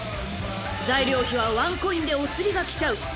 ［材料費はワンコインでお釣りがきちゃう。